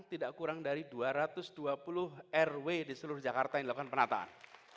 tidak kurang dari dua ratus dua puluh rw di seluruh jakarta yang dilakukan penataan